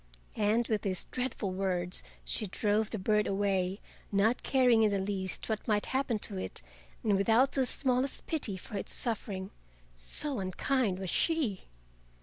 And with these dreadful words she drove the bird away, not caring in the least what might happen to it and without the smallest pity for its suffering, so unkind was she!